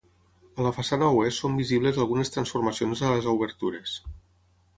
A la façana oest són visibles algunes transformacions a les obertures.